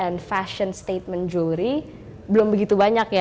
and fashion statement joury belum begitu banyak ya